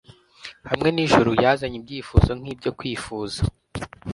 hamwe n'ijuru, yazanye ibyifuzo nkibyo kwifuza